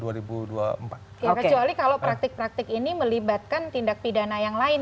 ya kecuali kalau praktik praktik ini melibatkan tindak pidana yang lain